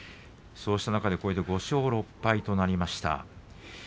そうした中で５勝６敗となりました。